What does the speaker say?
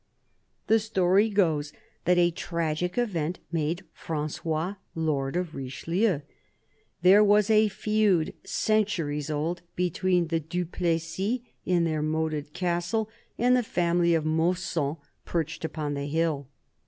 The story goes that a tragic event made Francois lord of Richelieu. There was a feud, centuries old, between the Du Plessis in their moated castle and the family of Mausson, perched upon the hill.